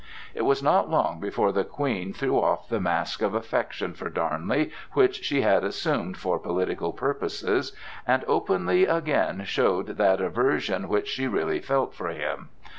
It was not long before the Queen threw off the mask of affection for Darnley, which she had assumed for political purposes, and openly again showed that aversion which she really felt for him.